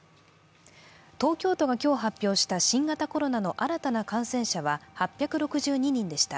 東京都が今日発表した新型コロナの新たな感染者は８６２人でした。